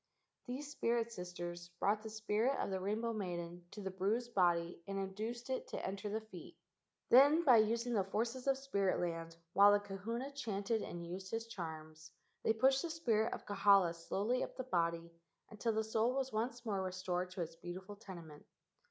These spirit sisters brought the spirit of the rainbow maiden to the bruised body and induced it to enter the feet. Then, by using the forces of spirit land, while the kahuna chanted and used his charms, they pushed the spirit of Kahala 88 LEGENDS OF GHOSTS slowly up the body until "the soul was once more restored to its beautiful tenement."